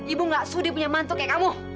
ibu gak sudi punya mantu kayak kamu